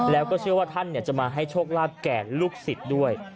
แล้วก็เชื่อว่าท่านจะมาให้โชคลาภแก่ลูกศิษย์ด้วย